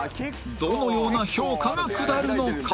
どのような評価が下るのか？